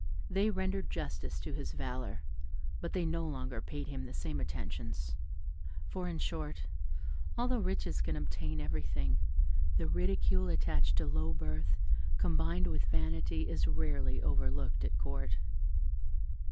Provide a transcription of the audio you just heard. They rendered justice to his valour, but they no longer paid him the same attentions; for in short, although riches can obtain everything, the ridicule attached to low birth combined with vanity is rarely overlooked at Court.